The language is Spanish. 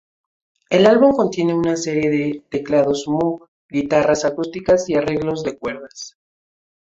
El álbum contiene una serie de teclados Moog, guitarras acústicas, y arreglos de cuerda.